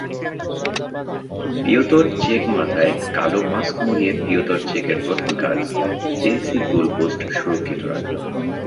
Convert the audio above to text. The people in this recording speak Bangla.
পিওতর চেকমাথায় কালো মাস্ক মুড়িয়ে পিওতর চেকের প্রধান কাজ চেলসির গোলপোস্ট সুরক্ষিত রাখা।